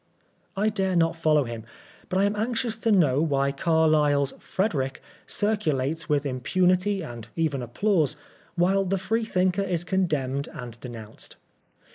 I dare not follow him ; but I am anxious to know why Carlyle's "Frederick" circulates with impunity and even applause, while the Freethinker is coademned and denounced.